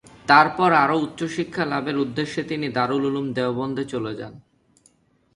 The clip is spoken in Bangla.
তারপর আরও উচ্চশিক্ষা লাভের উদ্দেশ্যে তিনি দারুল উলুম দেওবন্দ চলে যান।